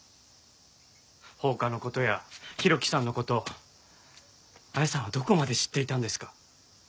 放火の事や浩喜さんの事彩さんはどこまで知っていたんですか？